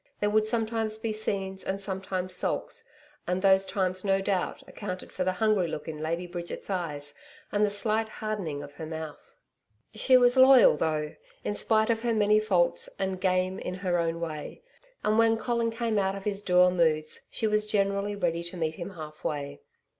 There would sometimes be scenes and sometimes sulks, and those times no doubt accounted for the hungry look in Lady Bridget's eyes and the slight hardening of her mouth. She was loyal though, in spite of her many faults, and 'game' in her own way and when Colin came out of his dour moods, she was generally ready to meet him half way.